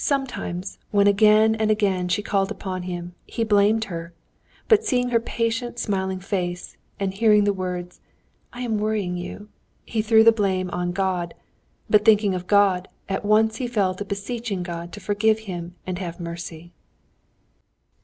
Sometimes, when again and again she called upon him, he blamed her; but seeing her patient, smiling face, and hearing the words, "I am worrying you," he threw the blame on God; but thinking of God, at once he fell to beseeching God to forgive him and have mercy.